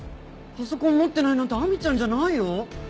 パソコン持ってないなんて亜美ちゃんじゃないよ！